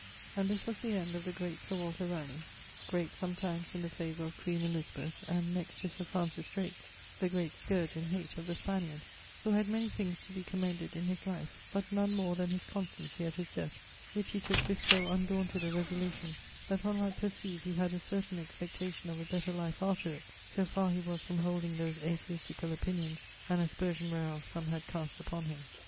And this was the end of the great Sir Walter Raleigh, great sometimes in the favour of queen Elizabeth, and (next to Sir Francis Drake) the great scourge and hate of the Spaniard; who had many things to be commended in his life, but none more than his constancy at his death, which he tooke with so undaunted a resolution that one might percieve he had a certain expectation of a better life after it, so far he was from holding those atheisticall opinions, an aspersion whereof some had cast upon him.'